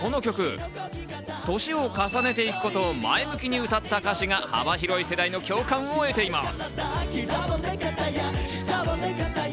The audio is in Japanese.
年を重ねていくことを前向きに歌った歌詞が幅広い世代の共感を得ています。